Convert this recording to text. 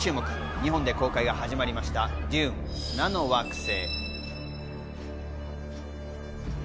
日本で公開が始まりました『ＤＵＮＥ／デューン砂の惑星』。